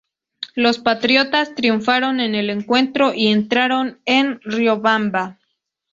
Los patriotas triunfaron en el encuentro y entraron en Riobamba.